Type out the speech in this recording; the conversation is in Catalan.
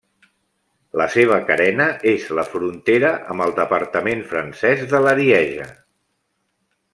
La seva carena és la frontera amb el departament francès de l'Arieja.